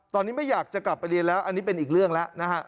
ตอนนี้ไม่อยากจะกลับไปเรียนแล้วอันนี้เป็นอีกเรื่องแล้วนะฮะ